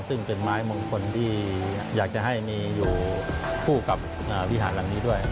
ซึ่งเป็นไม้มงคลที่อยากจะให้มีอยู่คู่กับวิหารหลังนี้ด้วย